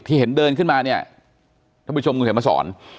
เห็นเดินขึ้นมาเนี่ยท่านผู้ชมคุณเขียนมาสอน